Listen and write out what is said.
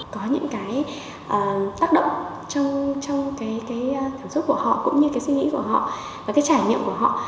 có những cái tác động trong cái cảm xúc của họ cũng như cái suy nghĩ của họ và cái trải nghiệm của họ